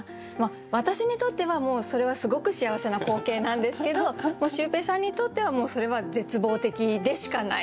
私にとってはもうそれはすごく幸せな光景なんですけどシュウペイさんにとってはそれは絶望的でしかないっていう。